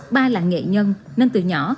ba là nghệ nhân nên từ nhỏ